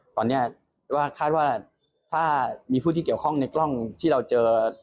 ตอนนี้ว่าคาดว่าถ้ามีผู้ที่เกี่ยวข้องในกล้องที่เราเจอ